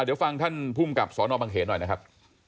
เดี๋ยวฟังท่านภูมิกับสนบังเขนหน่อยนะครับ